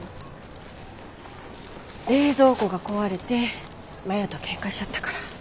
冷蔵庫が壊れてマヤとケンカしちゃったから。